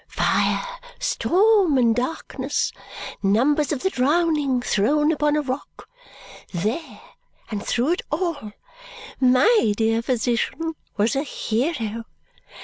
Fire, storm, and darkness. Numbers of the drowning thrown upon a rock. There, and through it all, my dear physician was a hero.